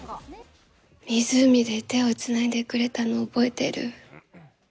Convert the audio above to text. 湖で手をつないでくれたの、覚えてる？